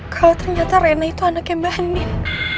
kalau ternyata reina itu anaknya mbak andin